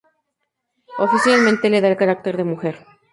Oficialmente, le da el carácter de "mujer".